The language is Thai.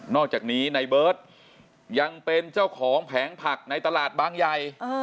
อกจากนี้ในเบิร์ตยังเป็นเจ้าของแผงผักในตลาดบางใหญ่